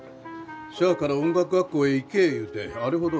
しゃあから音楽学校へ行けえ言うてあれほど。